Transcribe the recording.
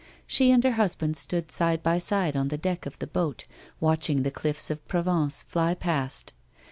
She and her husband stood side by side on the deck of the boat watching the cliffs of Provence fly past.